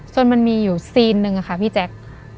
จนมันมีอยู่ซีนนึงอะค่ะพี่แจ๊ก